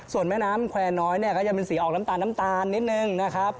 ส่วนแม่น้ำแควร์น้อยนี่ก็จะเป็นสีออกล้ำตาลนิดหนึ่งนะครับ